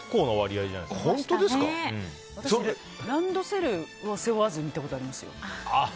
私、ランドセルを背負わずに行ったことありますよ。